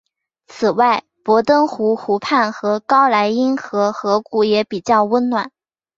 此外博登湖湖畔和高莱茵河河谷也比较温暖。